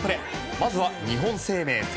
まずは日本生命セ